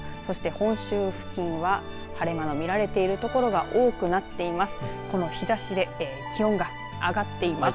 本州付近は、晴れ間が見られている所が多くなっています。